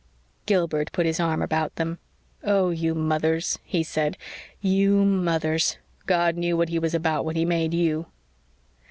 Gilbert put his arm about them. "Oh you mothers!" he said. "You mothers! God knew what He was about when He made you."